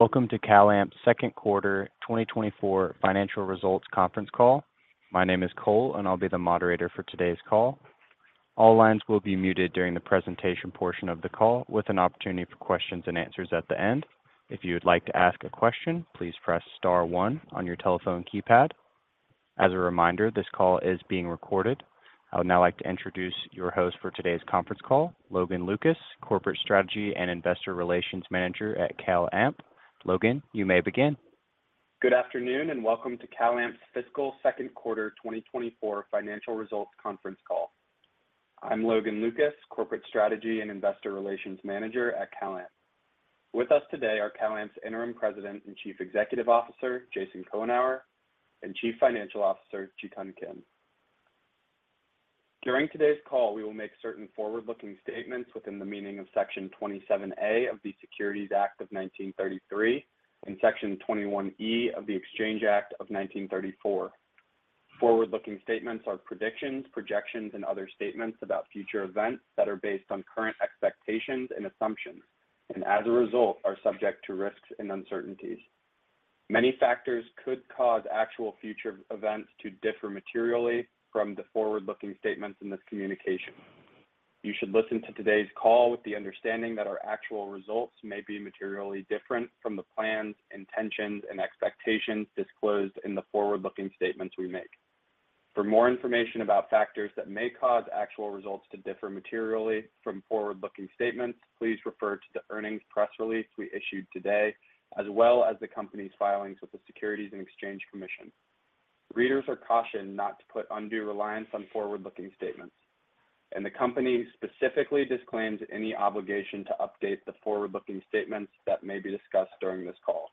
Welcome to CalAmp's second quarter 2024 financial results conference call. My name is Cole, and I'll be the moderator for today's call. All lines will be muted during the presentation portion of the call, with an opportunity for questions and answers at the end. If you would like to ask a question, please press star one on your telephone keypad. As a reminder, this call is being recorded. I would now like to introduce your host for today's conference call, Logan Lucas, Corporate Strategy and Investor Relations Manager at CalAmp. Logan, you may begin. Good afternoon, and welcome to CalAmp's fiscal second quarter 2024 financial results conference call. I'm Logan Lucas, Corporate Strategy and Investor Relations Manager at CalAmp. With us today are CalAmp's Interim President and Chief Executive Officer, Jason Cohenour, and Chief Financial Officer, Jikun Kim. During today's call, we will make certain forward-looking statements within the meaning of Section 27A of the Securities Act of 1933 and Section 21E of the Exchange Act of 1934. Forward-looking statements are predictions, projections, and other statements about future events that are based on current expectations and assumptions, and as a result, are subject to risks and uncertainties. Many factors could cause actual future events to differ materially from the forward-looking statements in this communication. You should listen to today's call with the understanding that our actual results may be materially different from the plans, intentions, and expectations disclosed in the forward-looking statements we make. For more information about factors that may cause actual results to differ materially from forward-looking statements, please refer to the earnings press release we issued today, as well as the company's filings with the Securities and Exchange Commission. Readers are cautioned not to put undue reliance on forward-looking statements, and the company specifically disclaims any obligation to update the forward-looking statements that may be discussed during this call.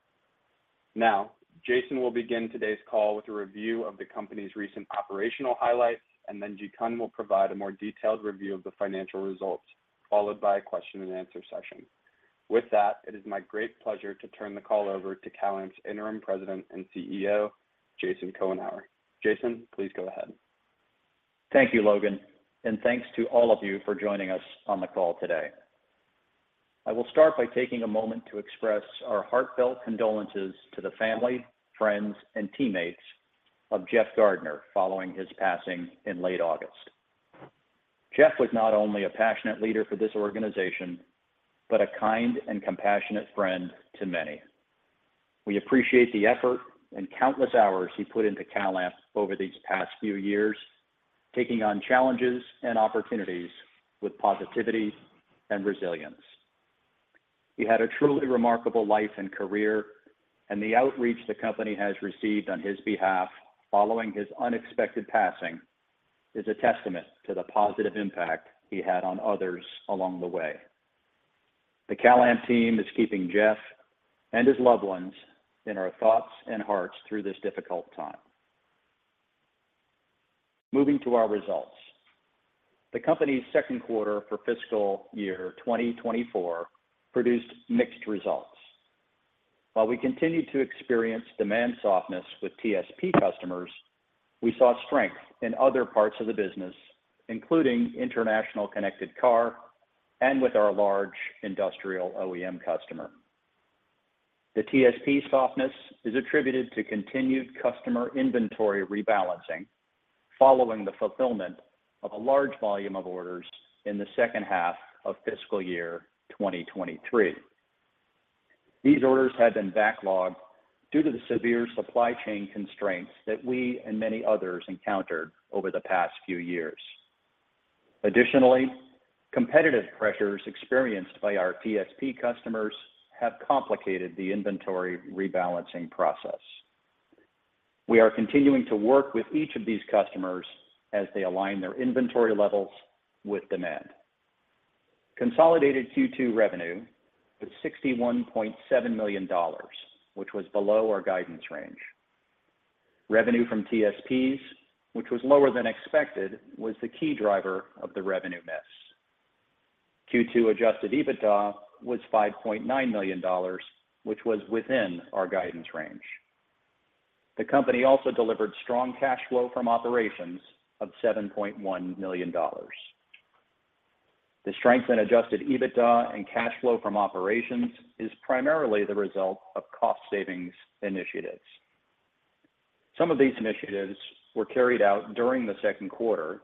Now, Jason will begin today's call with a review of the company's recent operational highlights, and then Jikun will provide a more detailed review of the financial results, followed by a question and answer session. With that, it is my great pleasure to turn the call over to CalAmp's Interim President and CEO, Jason Cohenour. Jason, please go ahead. Thank you, Logan, and thanks to all of you for joining us on the call today. I will start by taking a moment to express our heartfelt condolences to the family, friends and teammates of Jeff Gardner following his passing in late August. Jeff was not only a passionate leader for this organization, but a kind and compassionate friend to many. We appreciate the effort and countless hours he put into CalAmp over these past few years, taking on challenges and opportunities with positivity and resilience. He had a truly remarkable life and career, and the outreach the company has received on his behalf following his unexpected passing is a testament to the positive impact he had on others along the way. The CalAmp team is keeping Jeff and his loved ones in our thoughts and hearts through this difficult time. Moving to our results. The company's second quarter for fiscal year 2024 produced mixed results. While we continued to experience demand softness with TSP customers, we saw strength in other parts of the business, including international connected car and with our large industrial OEM customer. The TSP softness is attributed to continued customer inventory rebalancing following the fulfillment of a large volume of orders in the second half of fiscal year 2023. These orders had been backlogged due to the severe supply chain constraints that we and many others encountered over the past few years. Additionally, competitive pressures experienced by our TSP customers have complicated the inventory rebalancing process. We are continuing to work with each of these customers as they align their inventory levels with demand. Consolidated Q2 revenue was $61.7 million, which was below our guidance range. Revenue from TSPs, which was lower than expected, was the key driver of the revenue miss. Q2 Adjusted EBITDA was $5.9 million, which was within our guidance range. The company also delivered strong cash flow from operations of $7.1 million. The strength in Adjusted EBITDA and cash flow from operations is primarily the result of cost savings initiatives. Some of these initiatives were carried out during the second quarter,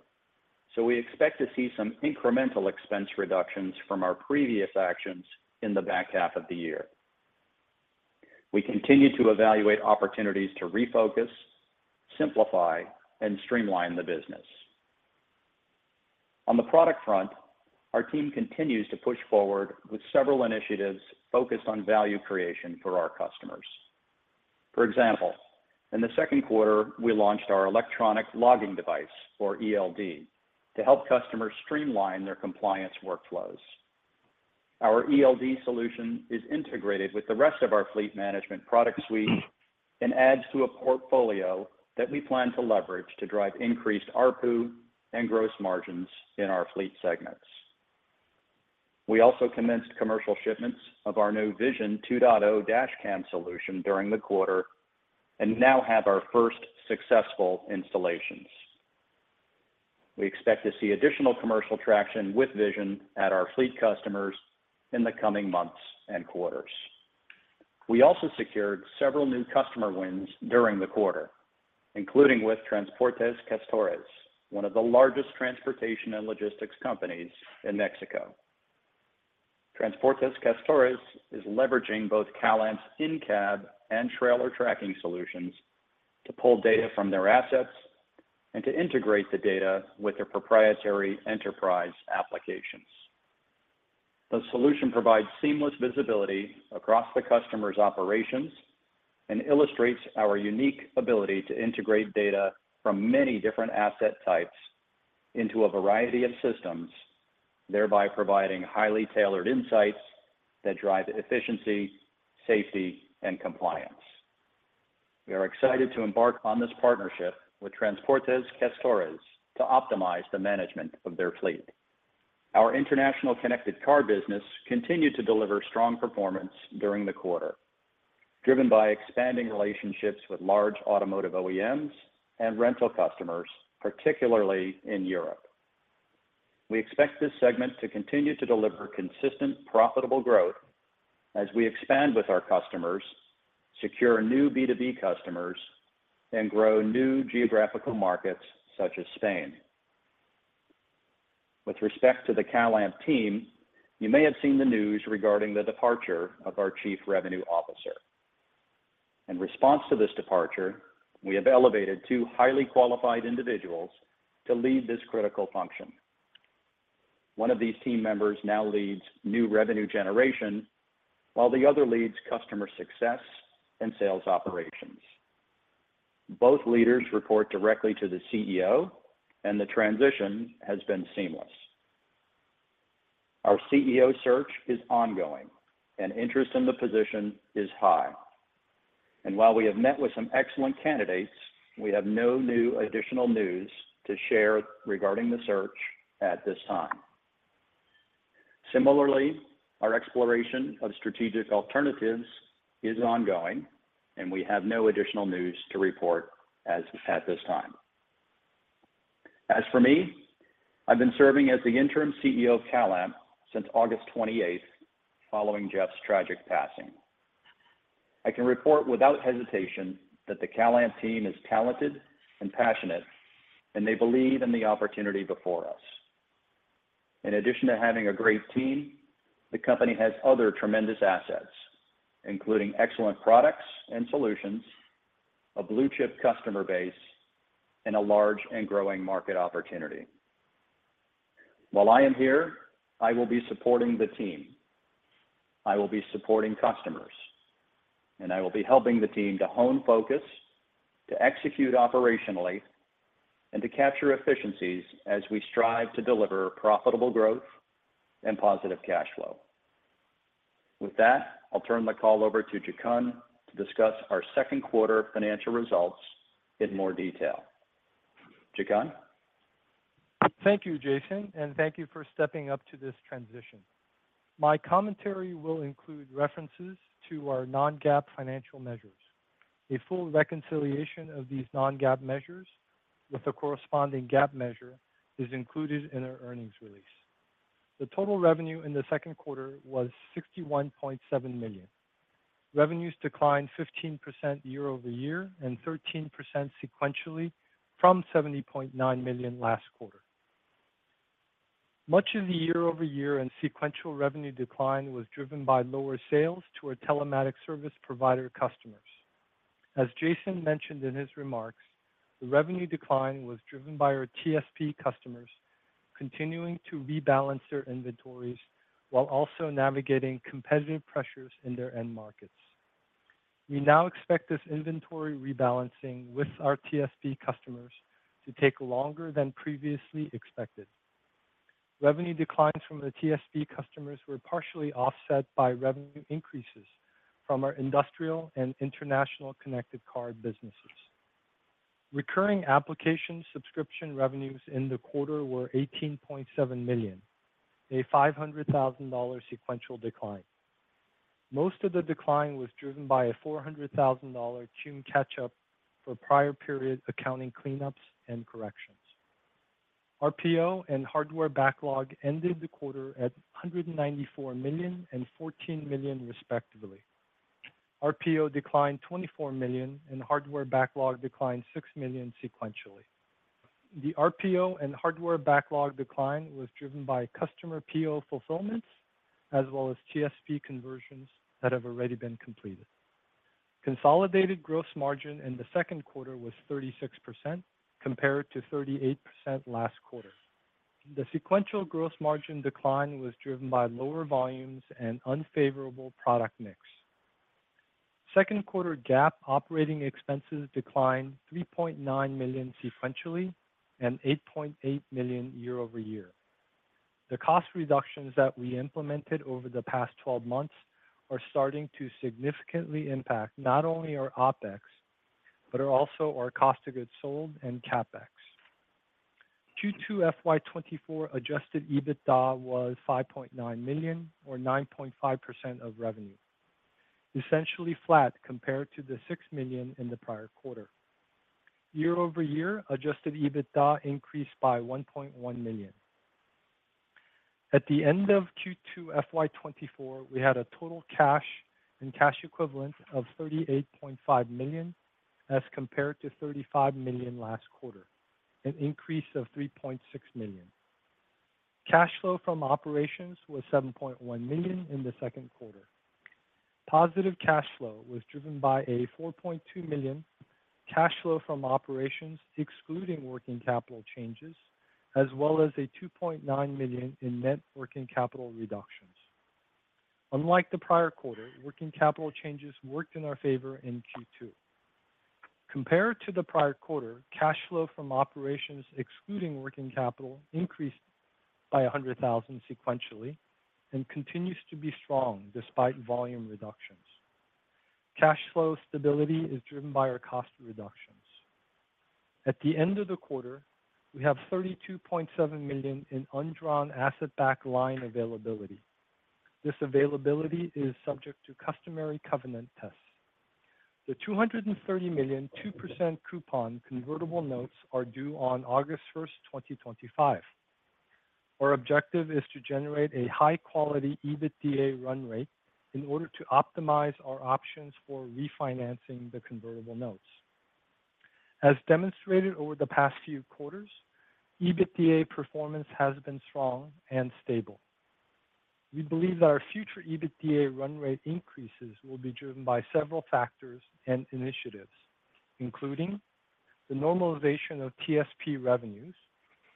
so we expect to see some incremental expense reductions from our previous actions in the back half of the year. We continue to evaluate opportunities to refocus, simplify, and streamline the business. On the product front, our team continues to push forward with several initiatives focused on value creation for our customers. For example, in the second quarter, we launched our electronic logging device, or ELD, to help customers streamline their compliance workflows. Our ELD solution is integrated with the rest of our fleet management product suite and adds to a portfolio that we plan to leverage to drive increased ARPU and gross margins in our fleet segments. We also commenced commercial shipments of our new Vision 2.0 dash cam solution during the quarter, and now have our first successful installations. We expect to see additional commercial traction with Vision at our fleet customers in the coming months and quarters. We also secured several new customer wins during the quarter, including with Transportes Castores, one of the largest transportation and logistics companies in Mexico. Transportes Castores is leveraging both CalAmp's in-cab and trailer tracking solutions to pull data from their assets and to integrate the data with their proprietary enterprise applications. The solution provides seamless visibility across the customer's operations and illustrates our unique ability to integrate data from many different asset types into a variety of systems, thereby providing highly tailored insights that drive efficiency, safety, and compliance. We are excited to embark on this partnership with Transportes Castores to optimize the management of their fleet. Our international connected car business continued to deliver strong performance during the quarter, driven by expanding relationships with large automotive OEMs and rental customers, particularly in Europe. We expect this segment to continue to deliver consistent, profitable growth as we expand with our customers, secure new B2B customers, and grow new geographical markets such as Spain. With respect to the CalAmp team, you may have seen the news regarding the departure of our Chief Revenue Officer. In response to this departure, we have elevated two highly qualified individuals to lead this critical function. One of these team members now leads new revenue generation, while the other leads customer success and sales operations. Both leaders report directly to the CEO, and the transition has been seamless. Our CEO search is ongoing, and interest in the position is high. While we have met with some excellent candidates, we have no new additional news to share regarding the search at this time. Similarly, our exploration of strategic alternatives is ongoing, and we have no additional news to report at this time. As for me, I've been serving as the interim CEO of CalAmp since August 28, following Jeff's tragic passing. I can report without hesitation that the CalAmp team is talented and passionate, and they believe in the opportunity before us. In addition to having a great team, the company has other tremendous assets, including excellent products and solutions, a blue-chip customer base, and a large and growing market opportunity. While I am here, I will be supporting the team, I will be supporting customers, and I will be helping the team to hone focus, to execute operationally, and to capture efficiencies as we strive to deliver profitable growth and positive cash flow. With that, I'll turn the call over to Jikun to discuss our second quarter financial results in more detail. Jikun? Thank you, Jason, and thank you for stepping up to this transition. My commentary will include references to our non-GAAP financial measures. A full reconciliation of these non-GAAP measures with the corresponding GAAP measure is included in our earnings release. The total revenue in the second quarter was $61.7 million. Revenues declined 15% year-over-year and 13% sequentially from $70.9 million last quarter. Much of the year-over-year and sequential revenue decline was driven by lower sales to our telematics service provider customers. As Jason mentioned in his remarks, the revenue decline was driven by our TSP customers continuing to rebalance their inventories while also navigating competitive pressures in their end markets. We now expect this inventory rebalancing with our TSP customers to take longer than previously expected. Revenue declines from the TSP customers were partially offset by revenue increases from our industrial and international connected car businesses. Recurring application subscription revenues in the quarter were $18.7 million, a $500,000 sequential decline. Most of the decline was driven by a $400,000 true-up catch-up for prior period accounting cleanups and corrections. RPO and hardware backlog ended the quarter at $194 million and $14 million, respectively. RPO declined $24 million, and hardware backlog declined $6 million sequentially. The RPO and hardware backlog decline was driven by customer PO fulfillments as well as TSP conversions that have already been completed. Consolidated gross margin in the second quarter was 36%, compared to 38% last quarter. The sequential gross margin decline was driven by lower volumes and unfavorable product mix. Second quarter GAAP operating expenses declined $3.9 million sequentially and $8.8 million year-over-year. The cost reductions that we implemented over the past 12 months are starting to significantly impact not only our OpEx, but are also our cost of goods sold and CapEx. Q2 FY 2024 adjusted EBITDA was $5.9 million, or 9.5% of revenue... essentially flat compared to the $6 million in the prior quarter. Year-over-year, adjusted EBITDA increased by $1.1 million. At the end of Q2 FY 2024, we had a total cash and cash equivalents of $38.5 million, as compared to $35 million last quarter, an increase of $3.6 million. Cash flow from operations was $7.1 million in the second quarter. Positive cash flow was driven by a $4.2 million cash flow from operations, excluding working capital changes, as well as a $2.9 million in net working capital reductions. Unlike the prior quarter, working capital changes worked in our favor in Q2. Compared to the prior quarter, cash flow from operations, excluding working capital, increased by $100,000 sequentially and continues to be strong despite volume reductions. Cash flow stability is driven by our cost reductions. At the end of the quarter, we have $32.7 million in undrawn asset-backed line availability. This availability is subject to customary covenant tests. The $230 million, 2% coupon convertible notes are due on August 1, 2025. Our objective is to generate a high-quality EBITDA run rate in order to optimize our options for refinancing the convertible notes. As demonstrated over the past few quarters, EBITDA performance has been strong and stable. We believe that our future EBITDA run rate increases will be driven by several factors and initiatives, including the normalization of TSP revenues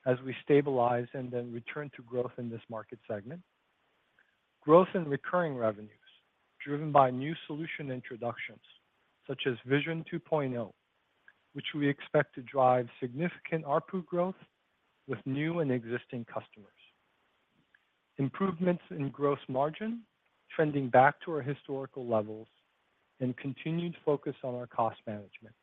as we stabilize and then return to growth in this market segment. Growth in recurring revenues driven by new solution introductions, such as Vision 2.0, which we expect to drive significant ARPU growth with new and existing customers. Improvements in gross margin trending back to our historical levels and continued focus on our cost management.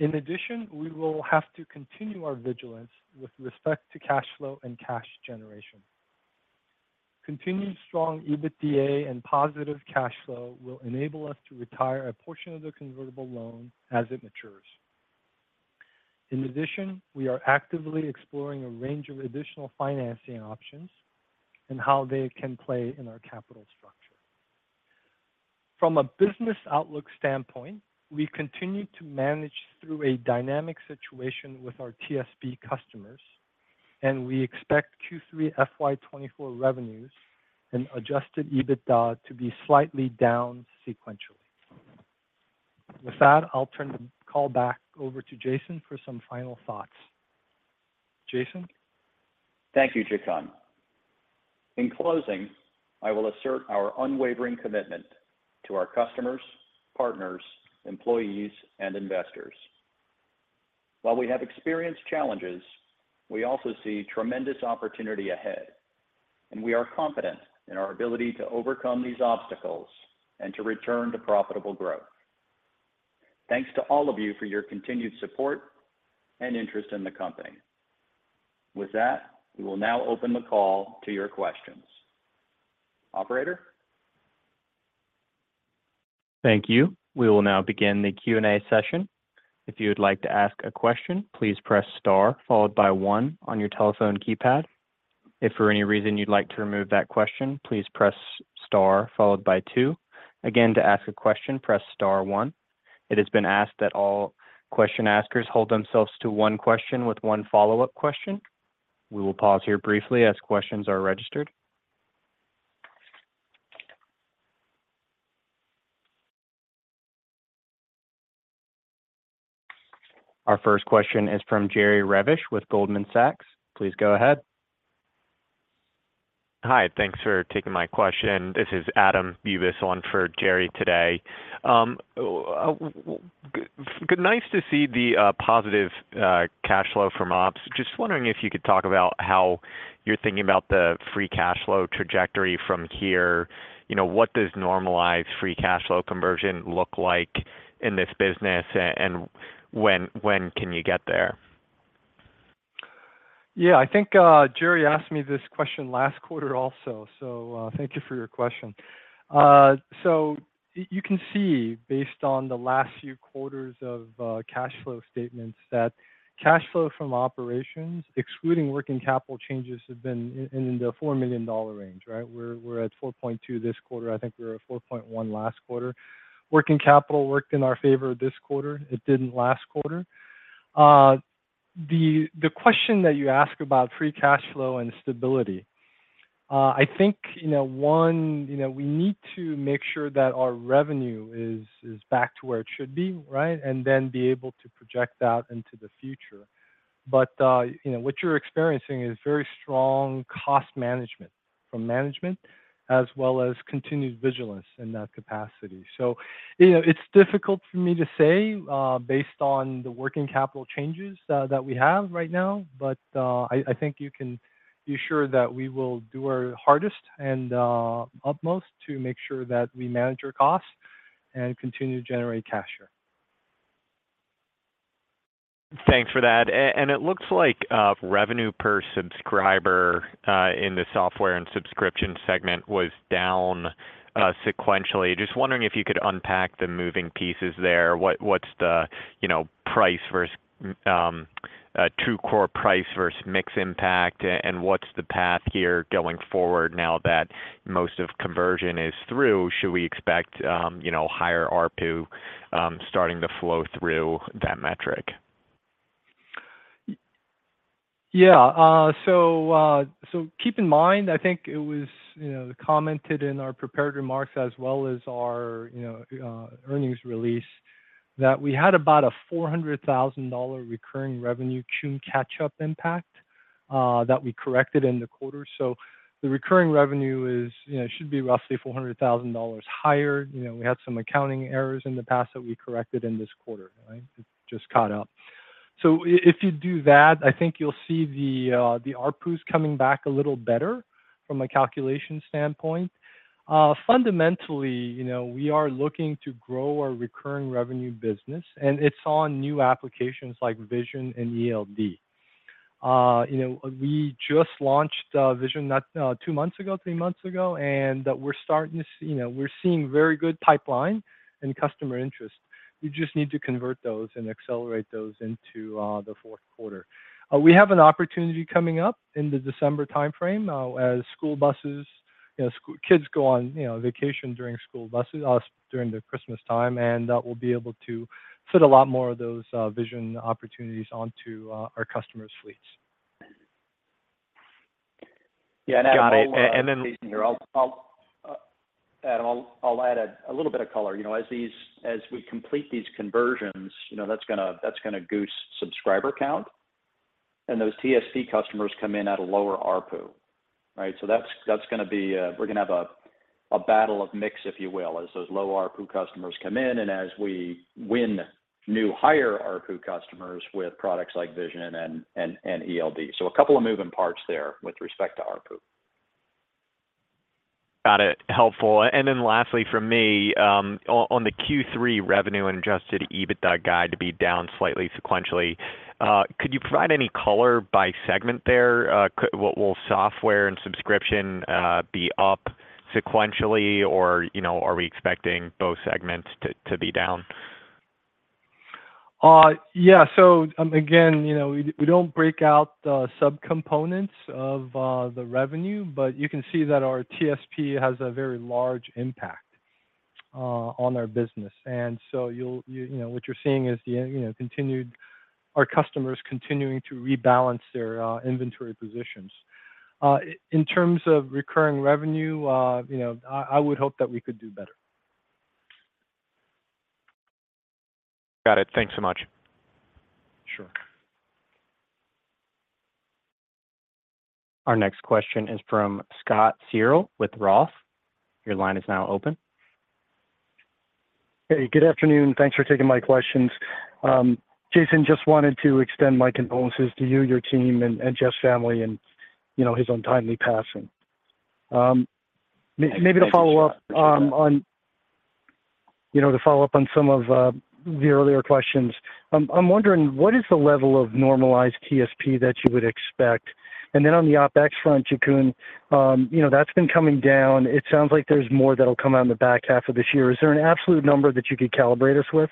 In addition, we will have to continue our vigilance with respect to cash flow and cash generation. Continued strong EBITDA and positive cash flow will enable us to retire a portion of the convertible notes as it matures. In addition, we are actively exploring a range of additional financing options and how they can play in our capital structure. From a business outlook standpoint, we continue to manage through a dynamic situation with our TSP customers, and we expect Q3 FY 2024 revenues and adjusted EBITDA to be slightly down sequentially. With that, I'll turn the call back over to Jason for some final thoughts. Jason? Thank you, Jikun. In closing, I will assert our unwavering commitment to our customers, partners, employees, and investors. While we have experienced challenges, we also see tremendous opportunity ahead, and we are confident in our ability to overcome these obstacles and to return to profitable growth. Thanks to all of you for your continued support and interest in the company. With that, we will now open the call to your questions. Operator? Thank you. We will now begin the Q&A session. If you would like to ask a question, please press Star, followed by one on your telephone keypad. If for any reason you'd like to remove that question, please press Star, followed by two. Again, to ask a question, press Star one. It has been asked that all question askers hold themselves to one question with one follow-up question. We will pause here briefly as questions are registered. Our first question is from Jerry Revich with Goldman Sachs. Please go ahead. Hi, thanks for taking my question. This is Adam Bubes on for Jerry today. Nice to see the positive cash flow from ops. Just wondering if you could talk about how you're thinking about the free cash flow trajectory from here. You know, what does normalized free cash flow conversion look like in this business, and when can you get there? Yeah, I think, Jerry asked me this question last quarter also, so, thank you for your question. So you can see, based on the last few quarters of, cash flow statements, that cash flow from operations, excluding working capital changes, have been in the $4 million range, right? We're at $4.2 million this quarter. I think we were at $4.1 million last quarter. Working capital worked in our favor this quarter. It didn't last quarter. The question that you ask about free cash flow and stability, I think, you know, one, you know, we need to make sure that our revenue is back to where it should be, right? And then be able to project that into the future. But, you know, what you're experiencing is very strong cost management from management, as well as continued vigilance in that capacity. So, you know, it's difficult for me to say, based on the working capital changes that we have right now, but I think you can be sure that we will do our hardest and utmost to make sure that we manage our costs and continue to generate cash here. ... Thanks for that. And it looks like revenue per subscriber in the software and subscription segment was down sequentially. Just wondering if you could unpack the moving pieces there. What, what's the, you know, price versus true core price versus mix impact? And what's the path here going forward now that most of conversion is through? Should we expect, you know, higher ARPU starting to flow through that metric? Yeah. So keep in mind, I think it was, you know, commented in our prepared remarks as well as our, you know, earnings release, that we had about a $400,000 recurring revenue Q catch-up impact that we corrected in the quarter. So the recurring revenue is, you know, should be roughly $400,000 higher. You know, we had some accounting errors in the past that we corrected in this quarter, right? It just caught up. So if you do that, I think you'll see the ARPUs coming back a little better from a calculation standpoint. Fundamentally, you know, we are looking to grow our recurring revenue business, and it's on new applications like Vision and ELD. You know, we just launched Vision not two months ago, three months ago, and we're starting to see—you know, we're seeing very good pipeline and customer interest. We just need to convert those and accelerate those into the fourth quarter. We have an opportunity coming up in the December time frame, as school buses, you know, school kids go on, you know, vacation during school buses, during the Christmas time, and we'll be able to fit a lot more of those Vision opportunities onto our customers' fleets. Yeah, and I'll- Got it. Jason, here, I'll add a little bit of color. You know, as we complete these conversions, you know, that's gonna goose subscriber count, and those TSP customers come in at a lower ARPU, right? So that's gonna be a battle of mix, if you will, as those low ARPU customers come in and as we win new, higher ARPU customers with products like Vision and ELD. So a couple of moving parts there with respect to ARPU. Got it. Helpful. And then lastly, from me, on the Q3 revenue and Adjusted EBITDA guide to be down slightly sequentially, could you provide any color by segment there? Will software and subscription be up sequentially, or, you know, are we expecting both segments to be down? Yeah. So, again, you know, we don't break out the subcomponents of the revenue, but you can see that our TSP has a very large impact on our business. And so, you know, what you're seeing is the, you know, continued, our customers continuing to rebalance their inventory positions. In terms of recurring revenue, you know, I would hope that we could do better. Got it. Thanks so much. Sure. Our next question is from Scott Searle with Roth. Your line is now open. Hey, good afternoon. Thanks for taking my questions. Jason, just wanted to extend my condolences to you, your team, and Jeff's family in, you know, his untimely passing. Maybe to follow up- Thank you, Scott. Appreciate it.... on, you know, to follow up on some of the earlier questions. I'm wondering, what is the level of normalized TSP that you would expect? And then on the OpEx front, Jikun, you know, that's been coming down. It sounds like there's more that'll come out in the back half of this year. Is there an absolute number that you could calibrate us with?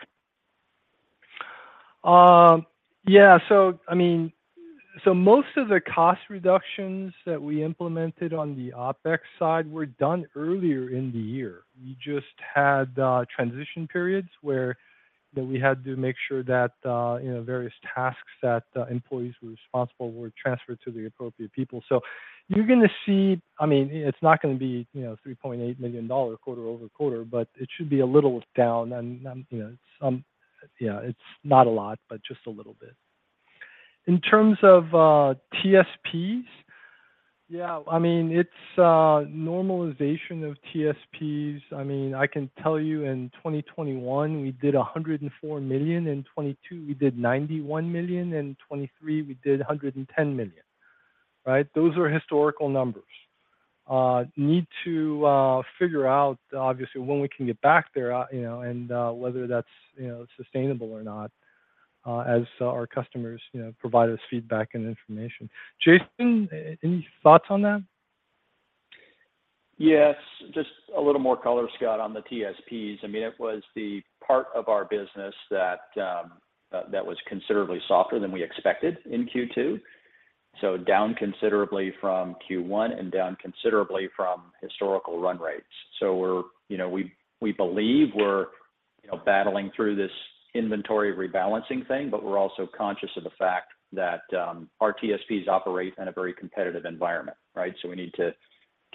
Yeah. So I mean, most of the cost reductions that we implemented on the OpEx side were done earlier in the year. We just had transition periods where, you know, we had to make sure that, you know, various tasks that employees were responsible were transferred to the appropriate people. So you're gonna see—I mean, it's not gonna be, you know, $3.8 million quarter-over-quarter, but it should be a little down. And, you know, some, yeah, it's not a lot, but just a little bit. In terms of TSPs, yeah, I mean, it's normalization of TSPs. I mean, I can tell you in 2021, we did $104 million, in 2022, we did $91 million, in 2023, we did $110 million, right? Those are historical numbers. Need to figure out, obviously, when we can get back there, you know, and whether that's, you know, sustainable or not, as our customers, you know, provide us feedback and information. Jason, any thoughts on that? Yes. Just a little more color, Scott, on the TSPs. I mean, it was the part of our business that that was considerably softer than we expected in Q2, so down considerably from Q1 and down considerably from historical run rates. So we're, you know, we believe we're, you know, battling through this inventory rebalancing thing, but we're also conscious of the fact that our TSPs operate in a very competitive environment, right? So we need to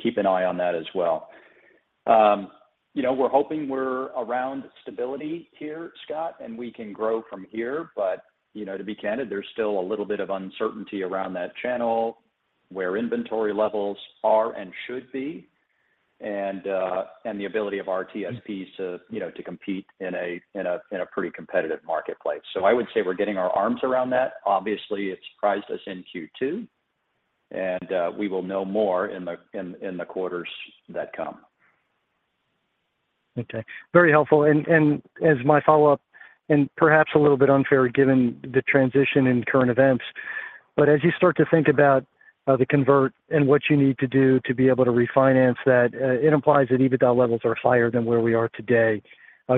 keep an eye on that as well. You know, we're hoping we're around stability here, Scott, and we can grow from here. But, you know, to be candid, there's still a little bit of uncertainty around that channel, where inventory levels are and should be, and the ability of our TSPs to, you know, to compete in a pretty competitive marketplace. So I would say we're getting our arms around that. Obviously, it surprised us in Q2, and we will know more in the quarters that come.... Okay, very helpful. As my follow-up, and perhaps a little bit unfair, given the transition in current events, but as you start to think about the convert and what you need to do to be able to refinance that, it implies that EBITDA levels are higher than where we are today.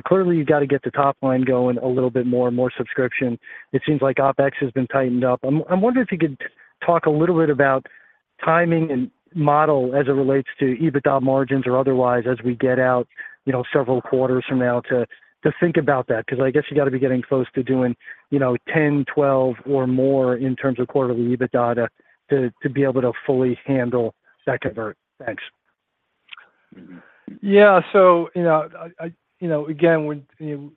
Clearly, you've got to get the top line going a little bit more and more subscription. It seems like OpEx has been tightened up. I'm wondering if you could talk a little bit about timing and model as it relates to EBITDA margins or otherwise as we get out, you know, several quarters from now to think about that. Because I guess you got to be getting close to doing, you know, 10, 12 or more in terms of quarterly EBITDA to be able to fully handle that convert. Thanks. Yeah. So, you know, again,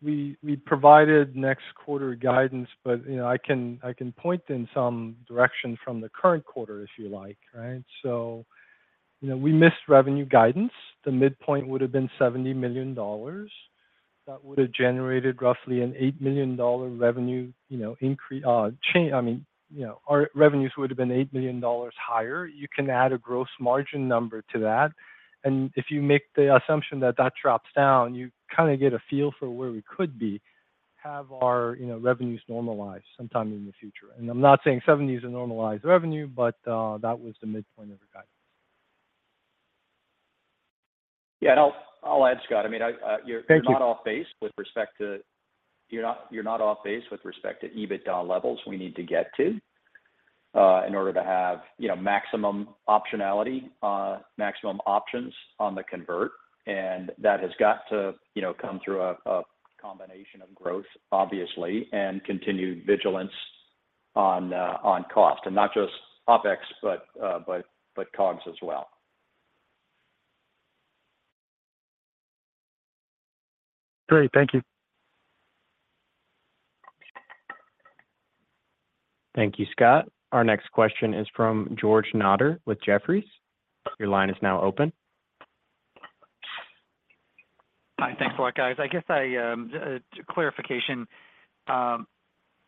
we provided next quarter guidance, but, you know, I can point in some direction from the current quarter, if you like, right? So, you know, we missed revenue guidance. The midpoint would have been $70 million. That would have generated roughly an $8 million revenue, you know, increase—I mean, you know, our revenues would have been $8 million higher. You can add a gross margin number to that, and if you make the assumption that that drops down, you kinda get a feel for where we could be, have our, you know, revenues normalized sometime in the future. And I'm not saying 70 is a normalized revenue, but, that was the midpoint of the guidance. Yeah, and I'll add, Scott, I mean, I... Thank you... You're not off base with respect to EBITDA levels we need to get to, in order to have, you know, maximum optionality, maximum options on the convert. And that has got to, you know, come through a combination of growth, obviously, and continued vigilance on cost, and not just OpEx, but COGS as well. Great. Thank you. Thank you, Scott. Our next question is from George Notter with Jefferies. Your line is now open. Hi. Thanks a lot, guys. I guess,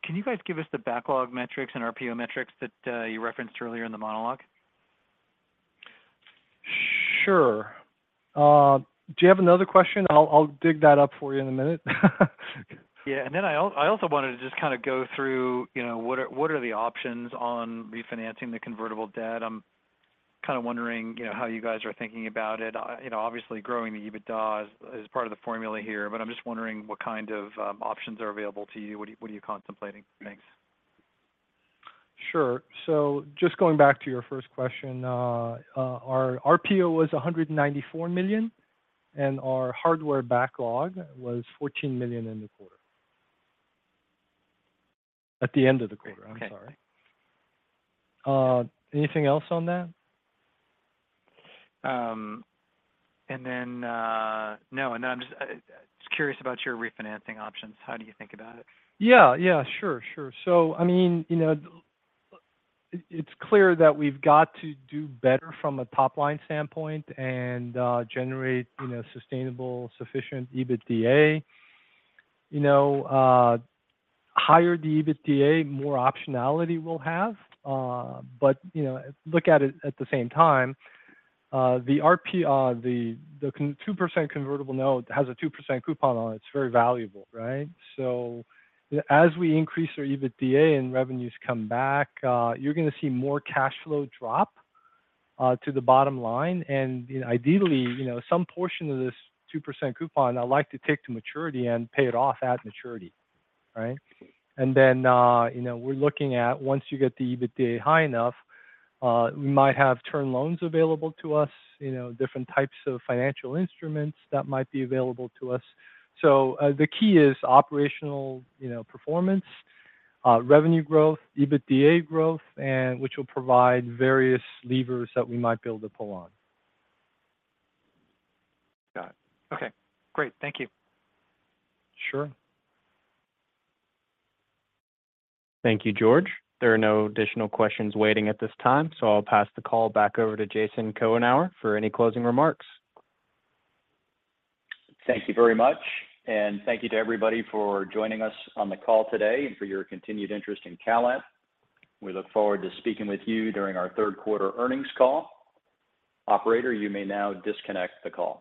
can you guys give us the backlog metrics and RPO metrics that you referenced earlier in the monologue? Sure. Do you have another question? I'll dig that up for you in a minute. Yeah, and then I also wanted to just kinda go through, you know, what are, what are the options on refinancing the convertible debt. I'm kinda wondering, you know, how you guys are thinking about it. You know, obviously, growing the EBITDA is, is part of the formula here, but I'm just wondering what kind of options are available to you. What are you, what are you contemplating? Thanks. Sure. So just going back to your first question, our RPO was $194 million, and our hardware backlog was $14 million in the quarter. At the end of the quarter- Okay. I'm sorry. Anything else on that? No, and I'm just curious about your refinancing options. How do you think about it? Yeah. Yeah, sure, sure. So I mean, you know, it, it's clear that we've got to do better from a top-line standpoint and generate, you know, sustainable, sufficient EBITDA. You know, higher the EBITDA, more optionality we'll have, but, you know, look at it at the same time, the 2% convertible note has a 2% coupon on it. It's very valuable, right? So as we increase our EBITDA and revenues come back, you're gonna see more cash flow drop to the bottom line, and, you know, ideally, you know, some portion of this 2% coupon, I'd like to take to maturity and pay it off at maturity, right? And then, you know, we're looking at, once you get the EBITDA high enough, we might have term loans available to us, you know, different types of financial instruments that might be available to us. So, the key is operational, you know, performance, revenue growth, EBITDA growth, and which will provide various levers that we might be able to pull on. Got it. Okay, great. Thank you. Sure. Thank you, George. There are no additional questions waiting at this time, so I'll pass the call back over to Jason Cohenour for any closing remarks. Thank you very much, and thank you to everybody for joining us on the call today and for your continued interest in CalAmp. We look forward to speaking with you during our third quarter earnings call. Operator, you may now disconnect the call.